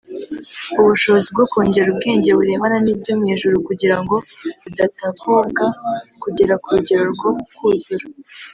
ubushobozi bwo kongera ubwenge burebana n’ibyo mu ijuru kugira ngo budatakobwa kugera ku rugero rwo kuzura